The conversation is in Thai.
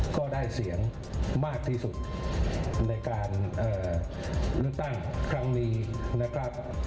ก็ได้เสียงมากที่สุดในการเลือกตั้งครั้งนี้นะครับ